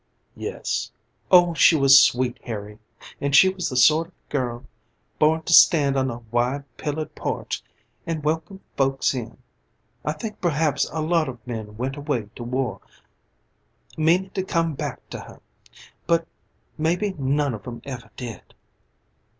"Yes." "Oh, she was sweet, Harry! And she was the sort of girl born to stand on a wide, pillared porch and welcome folks in. I think perhaps a lot of men went away to war meanin' to come back to her; but maybe none of 'em ever did."